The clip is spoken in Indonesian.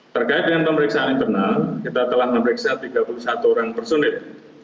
terkait dengan pemeriksaan internal kita telah memeriksa tiga puluh satu orang personil